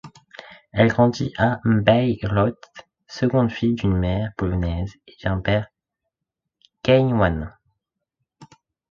Elle grandit à Bayreuth, seconde fille d'une mère polonaise et d'un père kényan.